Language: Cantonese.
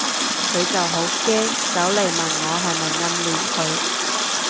佢就好驚走嚟問我係咪暗戀佢